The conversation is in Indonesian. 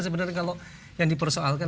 sebenarnya kalau yang dipersoalkan